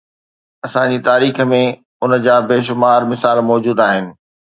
اسان جي تاريخ ۾ ان جا بيشمار مثال موجود آهن.